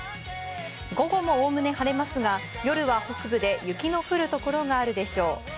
午後も概ね晴れますが、夜は北部で雪の降る所があるでしょう。